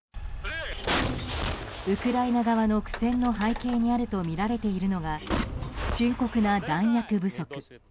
ウクライナ側の苦戦の背景にあるとみられているのが深刻な弾薬不足。